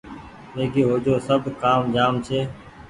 ويگي هو جو سب ڪآم جآم ڇي